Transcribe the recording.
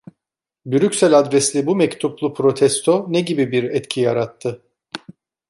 Brüksel adresli bu mektuplu protesto ne gibi bir etki yarattı?